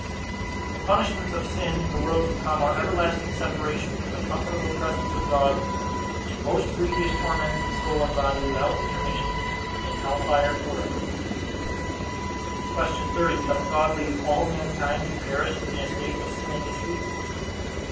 A. The punishments of sin in the world to come, are everlasting separation from the comfortable presence of God, and most grievous torments in soul and body, without intermission, in hell fire forever. Q. 30. Doth God leave all mankind to perish in the estate of sin and misery?